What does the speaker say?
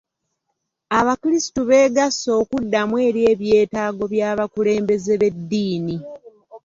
Abakulisitu begasse okuddamu eri ebyetaago by'abakulembeze b'eddiini.